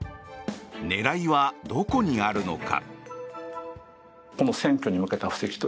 狙いはどこにあるのか？